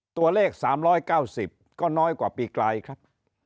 ตัวเลข๓๙๐ก็น้อยกว่าปีกลายครับ